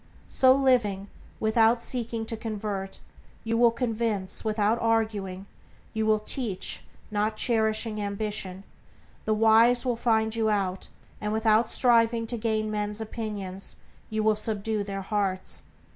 So living, without seeking to convert, you will convince; without arguing, you will teach; not cherishing ambition, the wise will find you out; and without striving to gain men's opinions, you will subdue their hearts.